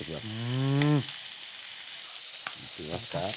うん。いってみますか？